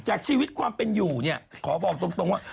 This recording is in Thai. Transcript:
จากชีวิตความเป็นอยู่เนี่ยขอบอกตรงว่า